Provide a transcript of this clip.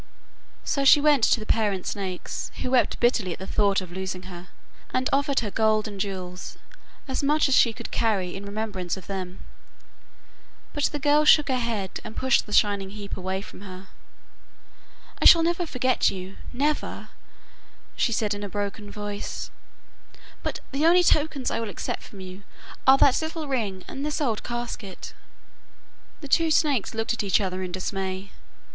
So she went to the parent snakes, who wept bitterly at the thought of losing her, and offered her gold and jewels as much as she could carry in remembrance of them. But the girl shook her head and pushed the shining heap away from her. 'I shall never forget you, never,' she said in a broken voice, 'but the only tokens I will accept from you are that little ring and this old casket.' The two snakes looked at each other in dismay.